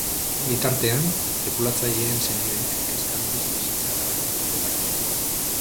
Bien bitartean, tripulatzaileen senideek kezka handiz bizitzen jarraitzen dute bahiketa.